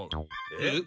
えっ？